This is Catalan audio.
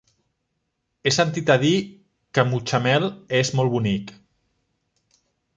He sentit a dir que Mutxamel és molt bonic.